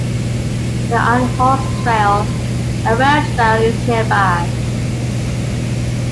The Iron Horse Trail, a rail trail, is nearby.